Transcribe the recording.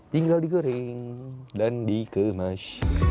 tinggal digoreng dan dikemas